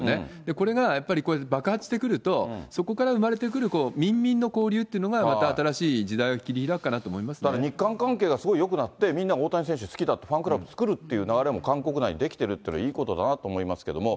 これがやっぱり、こうやって爆発してくると、そこから生まれてくる民民の交流というのが、また新しい時代を切だから、日韓関係がすごいよくなって、みんなが大谷選手が好きだ、ファンクラブ作るっていう流れも韓国内で出来てるというのはいいことだなと思いますけれども。